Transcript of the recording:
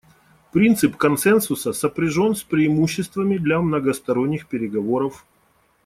Принцип консенсуса сопряжен с преимуществами для многосторонних переговоров.